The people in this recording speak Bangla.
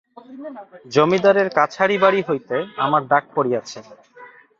জমিদারের কাছারিবাড়ি হইতে আমার ডাক পড়িয়াছে।